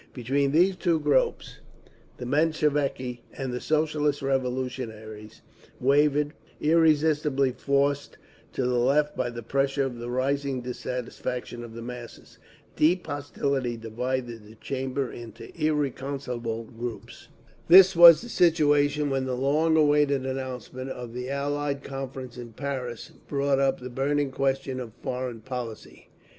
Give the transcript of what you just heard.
Between these two groups the Mensheviki and Socialist Revolutionaries wavered, irresistibly forced to the left by the pressure of the rising dissatisfaction of the masses. Deep hostility divided the chamber into irreconcilable groups. This was the situation when the long awaited announcement of the Allied Conference in Paris brought up the burning question of foreign policy….